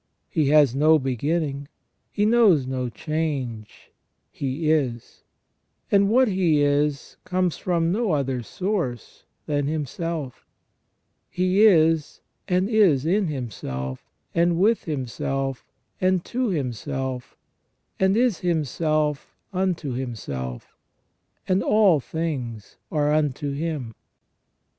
He has no beginning; He knows no change; He is ; and what He is comes from no other source than Himself. He is ; and is in Himself, and with Himself, and to Himself, and is Himself unto Himself, WB Y MAN IS MADE TO THE IMA GE OF GOD. 51 and all things are unto Him.